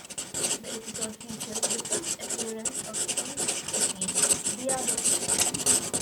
The episode features the first appearance of Cletus' cousin Dia-Betty.